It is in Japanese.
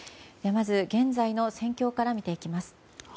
まず、現在の戦況から見ていきます。